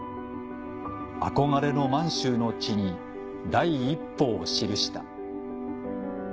「憧れの満洲の地に第一歩を印した」